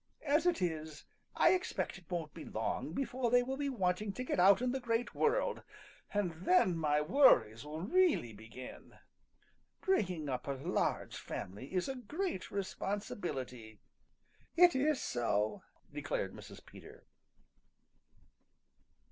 As it is, I expect it won't be long before they will be wanting to get out in the Great World and then my worries will really begin. Bringing up a large family is a great responsibility." "It is so," declared Mrs. Peter.